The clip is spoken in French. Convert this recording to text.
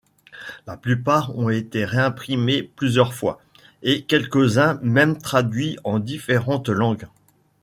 La plupart ont été réimprimés plusieurs fois, et quelques-uns même traduits en différentes langues.